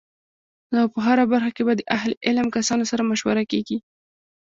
او په هره برخه کی به د اهل علم کسانو سره مشوره کیږی